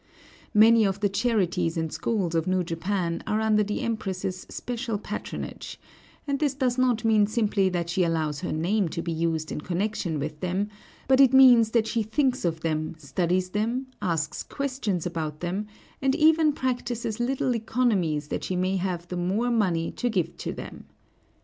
Many of the charities and schools of new Japan are under the Empress's special patronage; and this does not mean simply that she allows her name to be used in connection with them, but it means that she thinks of them, studies them, asks questions about them, and even practices little economies that she may have the more money to give to them.